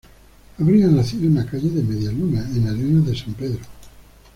Habría nacido en la calle de Media Luna, en Arenas de San Pedro.